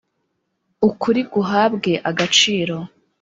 ukuli guhabwe agaciro,